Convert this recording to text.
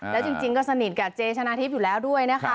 แล้วจริงก็สนิทกับเจชนะทิพย์อยู่แล้วด้วยนะคะ